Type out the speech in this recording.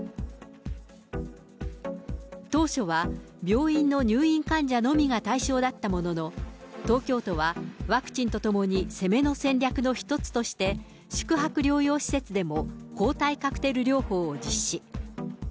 当初は病院の入院患者のみが対象だったものの、東京都はワクチンとともに、攻めの戦略の一つとして、宿泊療養施設でも抗体カクテル療法を実施。